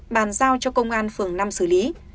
bàn giao cho công an phường năm xử lý